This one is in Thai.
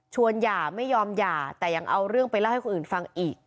หย่าไม่ยอมหย่าแต่ยังเอาเรื่องไปเล่าให้คนอื่นฟังอีก